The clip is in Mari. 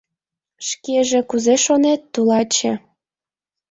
— Шкеже кузе шонет, тулаче?